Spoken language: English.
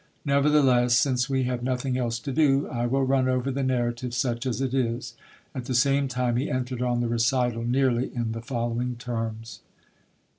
Nevertheless, since we have nothing else to do, I will run over the narrative, such as it is. At the same time he entered on' the recital nearly in the following terms.